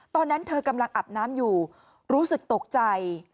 ตอนนั้นเธอกำลังอาบน้ำอยู่รู้สึกตกใจ